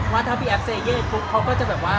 ว่าถ้าพี่แอฟเซเย่ปุ๊บเขาก็จะแบบว่า